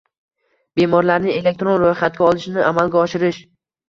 - bemorlarni elektron ro'yxatga olishni amalga oshirish;